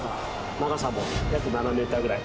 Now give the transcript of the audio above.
長さも約７メーターぐらい。